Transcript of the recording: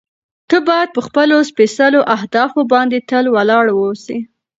ته باید په خپلو سپېڅلو اهدافو باندې تل ولاړ واوسې.